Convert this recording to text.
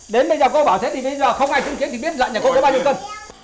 đến bây giờ cô bảo thế thì bây giờ không ai chứng kiến thì biết lợn nhà cô có bao nhiêu cân